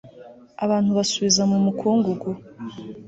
abantu ubasubiza mu mukungugu